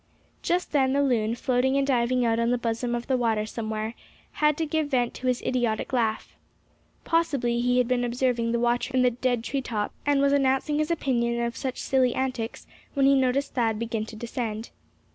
Just then the loon, floating and diving out on the bosom of the water somewhere, had to give vent to his idiotic laugh. Possibly he had been observing the watcher in the dead tree top, and was announcing his opinion of such silly antics when he noticed Thad begin to descend.